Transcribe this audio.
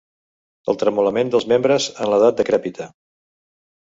El tremolament dels membres en l'edat decrèpita.